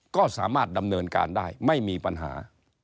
ก็สามารถดำเนินการได้ไม่มีปัญหา